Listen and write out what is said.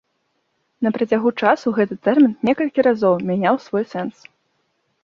На працягу часу гэты тэрмін некалькі разоў мяняў свой сэнс.